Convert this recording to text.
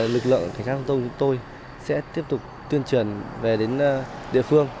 lực lượng cảnh sát giao thông chúng tôi sẽ tiếp tục tuyên truyền về đến địa phương